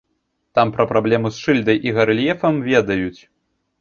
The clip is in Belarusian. Там пра праблему з шыльдай і гарэльефам ведаюць.